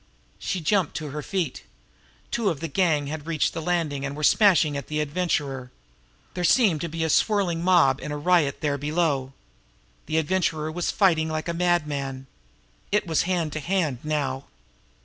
She jumped to her feet. Two of the gang had reached the landing and were smashing at the Adventurer. There seemed to be a swirling mob in riot there below. The Adventurer was fighting like a madman. It was hand to hand now.